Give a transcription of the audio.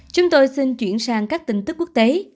chúng tôi xin chuyển sang các tin tức quốc tế